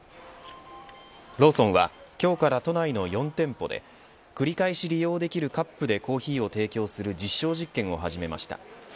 ローソンは今日から都内の４店舗で繰り返し利用できるカップでコーヒーを提供する実証実験を始めました。